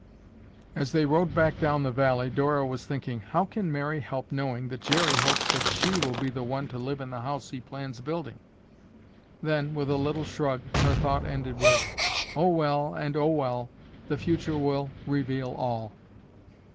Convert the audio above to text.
As they rode back down the valley Dora was thinking, "How can Mary help knowing that Jerry hopes that she will be the one to live in the house he plans building?" Then, with a little shrug, her thought ended with, "Oh well, and oh well, the future will reveal all."